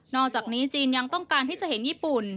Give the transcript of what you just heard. อกจากนี้จีนยังต้องการที่จะเห็นญี่ปุ่น